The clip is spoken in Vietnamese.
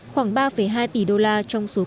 khoảng ba hai tỷ usd trong số các hợp đồng